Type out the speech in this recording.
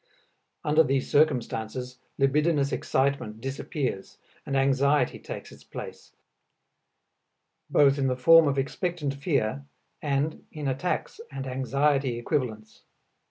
Under these circumstances libidinous excitement disappears and anxiety takes its place, both in the form of expectant fear and in attacks and anxiety equivalents.